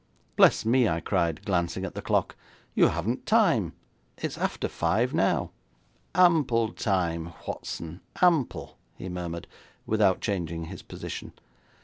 'Bless me!' I cried, glancing at the clock, 'you haven't time, it is after five now.' 'Ample time, Whatson ample,' he murmured, without changing his position.